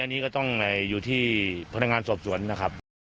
อันนี้ก็ต้องอยู่ที่พนักงานสอบสวนนะครับ